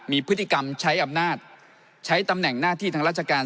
มีพฤติกรรมใช้อำนาจใช้ตำแหน่งหน้าที่ทางราชการ